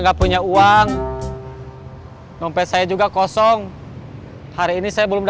tapi tadi kata kakek boleh